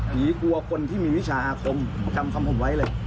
กลัวคนที่มีวิชาอาคมจำคำผมไว้เลย